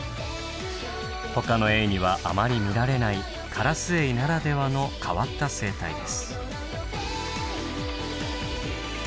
ほかのエイにはあまり見られないカラスエイならではの変わった生態です。